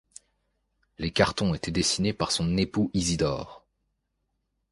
Les cartons étaient dessinés par son époux Isidore.